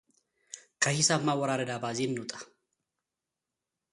ከሂሳብ ማወራረድ አባዜ እንውጣ